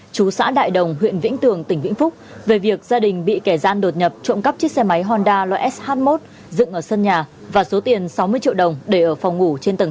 chú xã đại đồng huyện vĩnh tường tỉnh vĩnh phúc về việc gia đình bị kẻ gian đột nhập trộm cắp chiếc xe máy honda loại sh một dựng ở sân nhà và số tiền sáu mươi triệu đồng để ở phòng ngủ trên tầng